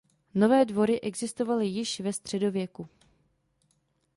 Nové Dvory existovaly již ve středověku.